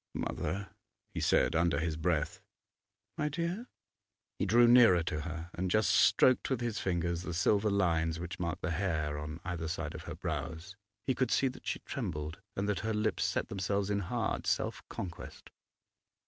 'Mother!' he said under his breath. 'My dear?' He drew nearer to her and just stroked with his fingers the silver lines which marked the hair on either side of her brows. He could see that she trembled and that her lips set themselves in hard self conquest.